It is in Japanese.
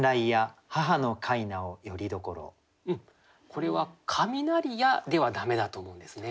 これは「雷や」では駄目だと思うんですね。